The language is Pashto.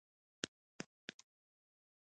ستونزه دا ده چې زه په دې کې هېڅ نه شم ويلې.